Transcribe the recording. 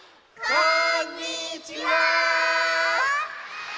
こんにちは！